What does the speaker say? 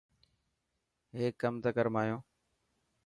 هيڪ ڪم ته ڪر مايون.